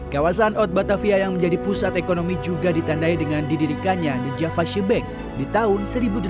kawasan ot batavia yang menjadi pusat ekonomi juga ditandai dengan didirikannya di javasebank di tahun seribu delapan ratus dua puluh delapan